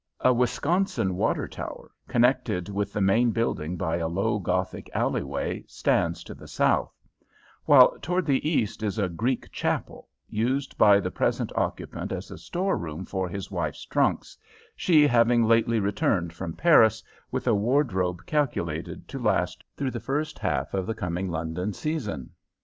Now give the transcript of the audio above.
A Wisconsin water tower, connected with the main building by a low Gothic alleyway, stands to the south; while toward the east is a Greek chapel, used by the present occupant as a store room for his wife's trunks, she having lately returned from Paris with a wardrobe calculated to last through the first half of the coming London season.